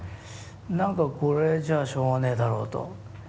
何かこれじゃあしょうがねえだろうと。